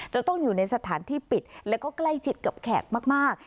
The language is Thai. จะต้องอยู่ในสถานที่ปิดแล้วก็ใกล้ชิดกับแขกมาก